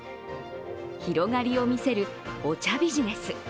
広がりを見せるお茶ビジネス。